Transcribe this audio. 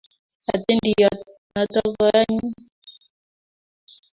athindiyot noto ko anyiny